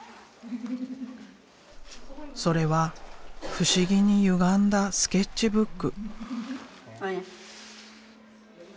それは不思議にゆがんだスケッチブック。